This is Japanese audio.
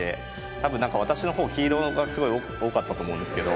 多分なんか私の方黄色がすごい多かったと思うんですけど。